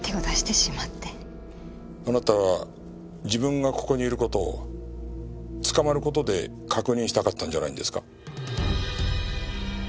あなたは自分がここにいる事を捕まる事で確認したかったんじゃないんですか？